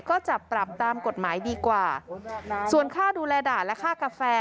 ก็จะปรับตามกฎหมายดีกว่าส่วนค่าดูแลด่าและค่ากาแฟ